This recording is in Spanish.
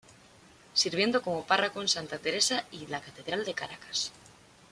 Sirviendo como párroco en Santa Teresa y la Catedral de Caracas.